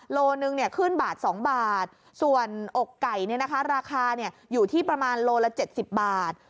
โลหนึ่งขึ้นบาท๒บาทส่วนอกไก่ราคาอยู่ที่ประมาณโลละ๗๐บาท